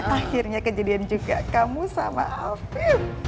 akhirnya kejadian juga kamu sama alvin